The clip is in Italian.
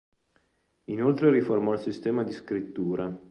Inoltre riformò il sistema di scrittura.